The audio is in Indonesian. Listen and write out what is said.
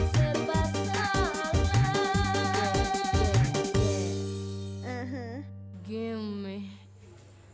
terbang jangan dong mak